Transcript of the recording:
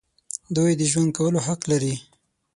دوی د ژوند کولو حق لري.